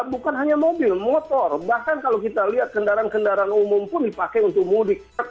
bukan hanya mobil motor bahkan kalau kita lihat kendaraan kendaraan umum pun dipakai untuk mudik